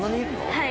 はい。